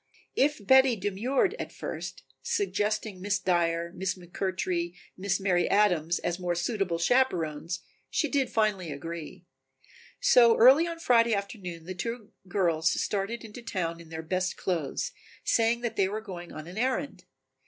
If Betty demurred at first, suggesting Miss Dyer, Miss McMurtry, Miss Mary Adams, as more suitable chaperons, she did finally agree. So early on Friday afternoon the two girls started into town in their best clothes, saying that they were going in on an errand.